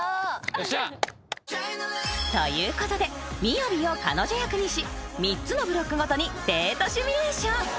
［ということでＭＩＹＡＢＩを彼女役にし３つのブロックごとにデートシミュレーション］